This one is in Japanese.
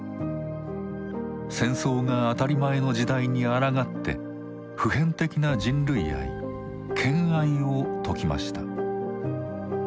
戦争が当たり前の時代にあらがって普遍的な人類愛「兼愛」を説きました。